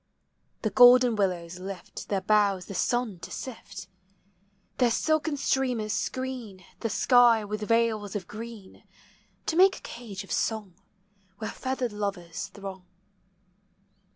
The golden willows lift their boughs the sun to sift: Their silken streamers screen the sky with veils of green, To make a cage of song, where feathered lovers throng.